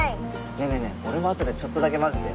ねぇねぇねぇ俺もあとでちょっとだけまぜて。